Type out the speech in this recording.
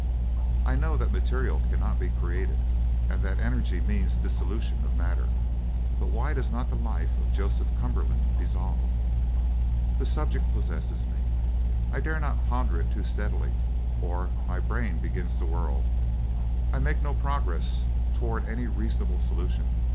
I know that material cannot be created and that energy means dissolution of matter: but why does not the life of Joseph Cumberland dissolve? "The subject possesses me. I dare not ponder it too steadily or my brain begins to whirl. I make no progress towards any reasonable solution.